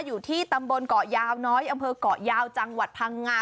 อยู่ที่ตำบลเกาะยาวน้อยอำเภอกเกาะยาวจังหวัดพังงา